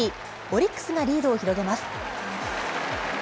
オリックスがリードを広げます。